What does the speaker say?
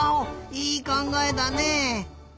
いいかんがえだね！